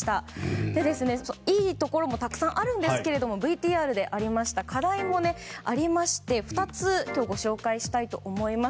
そして、いいところもたくさんあるんですがＶＴＲでありました課題もありまして２つ、ご紹介したいと思います。